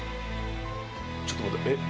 ちょっと待ってえっ？